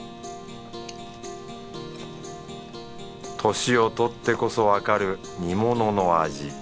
年をとってこそわかる煮物の味